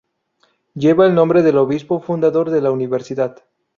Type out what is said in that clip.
Lleva el nombre del obispo fundador de la universidad.